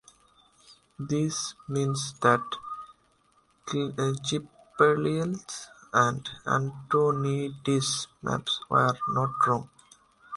This means that Schiaparelli's and Antoniadi's maps were not "wrong".